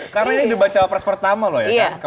karena ini debat cawapres pertama loh ya kan